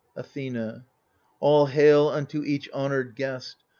Athena All hail unto each honoured guest